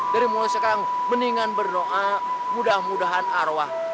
dari mulai sekarang beningan bernoak mudah mudahan arwah